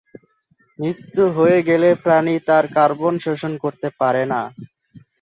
মৃত্যু হয়ে গেলে প্রাণী আর কার্বন শোষণ করতে পারে না।